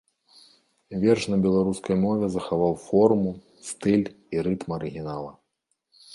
Верш на беларускай мове захаваў форму, стыль і рытм арыгінала.